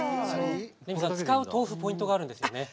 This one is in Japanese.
レミさん、使う豆腐はポイントあるんですよね。